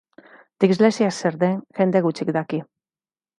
Dislexia zer den jende gutxik daki.